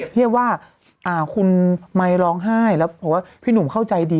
เทียบว่าคุณไมค์ร้องไห้แล้วบอกว่าพี่หนุ่มเข้าใจดี